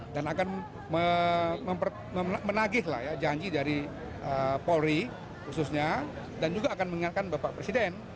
dan akan menagihlah janji dari polri khususnya dan juga akan mengingatkan bapak presiden